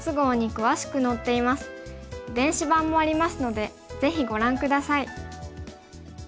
電子版もありますのでぜひご覧下さい。